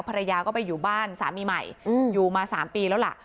ภรรยาก็ไปอยู่บ้านสามีใหม่อยู่มา๓ปีแล้วล่ะ